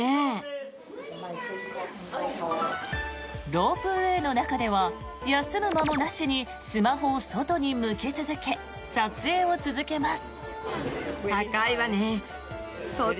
ロープウェーの中では休む間もなしにスマホを外に向け続け撮影を続けます。